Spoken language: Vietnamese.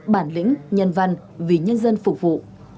bản lĩnh nhân văn vì nhân dân phục vụ